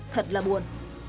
thật là buồn